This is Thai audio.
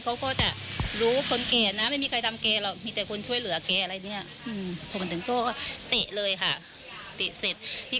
ก็นอนก็เลือดไหลแต่พี่ก็ไม่รู้ว่าหัวแตกหรือว่าโดนต่อยหรือว่ายังไงเห็นเลือดไหล